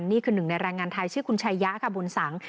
นี่คือหนึ่งในแรงงานไทยชื่อคุณชายะค่ะบุญสัง